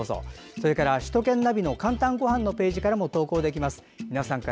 それから、首都圏ナビの「かんたんごはん」のページからも投稿できます。